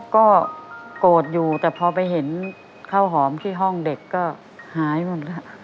ก็โกรธอยู่แต่พอไปเห็นข้าวหอมที่ห้องเด็กก็หายหมดค่ะ